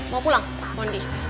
mau pulang mondi